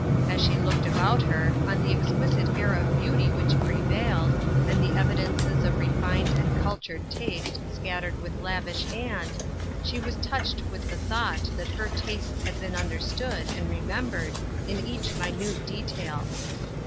As she looked about her, on the exquisite air of beauty which prp.vaHed, and the evidences of relined and cultured taste, scattered with lavish hand, she was touched with the thought that her tastes had been understood and remembered, in each minute detail.